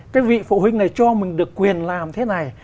cái vị phụ huynh này cho mình được quyền làm thế này